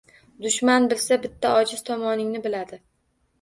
Dushman bilsa bitta ojiz tomoningni biladi.